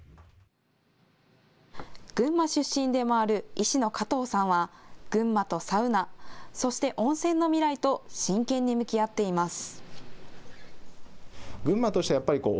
群馬出身でもある医師の加藤さんは群馬とサウナ、そして温泉の未来と真剣に向き合っています。